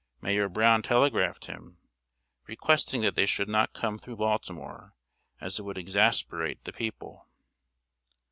Mayor Brown telegraphed him, requesting that they should not come through Baltimore, as it would exasperate the people.